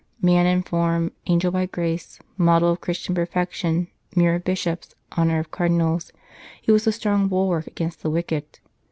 Man in form, angel by grace, model of Christian perfection, mirror of Bishops, honour of Cardinals, he was a strong bulwark against the wicked.